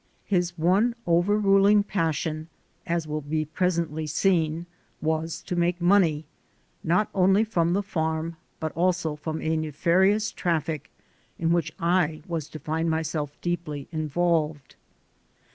His one over ruling passion, as will be presently seen, was to make money, not only from the farm but also from a nefarious traffic, in which I was to find myself deeply involved.